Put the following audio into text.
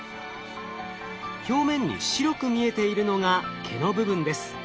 表面に白く見えているのが毛の部分です。